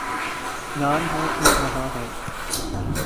جان ہے تو جہان ہے